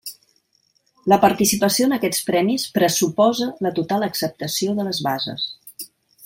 La participació en aquests Premis pressuposa la total acceptació de les bases.